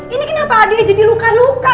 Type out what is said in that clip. ini kenapa adiknya jadi luka luka